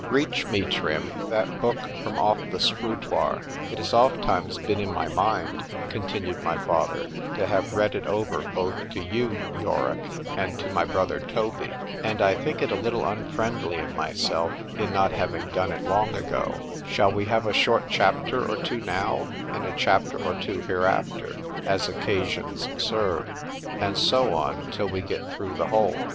_—Reach me, Trim, that book from off the scrutoir:—it has oft times been in my mind, continued my father, to have read it over both to you, Yorick, and to my brother Toby, and I think it a little unfriendly in myself, in not having done it long ago:——shall we have a short chapter or two now,—and a chapter or two hereafter, as occasions serve; and so on, till we get through the whole?